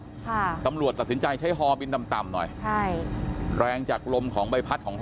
ค่ะตำรวจตัดสินใจใช้ฮอบินต่ำต่ำหน่อยใช่แรงจากลมของใบพัดของเธอ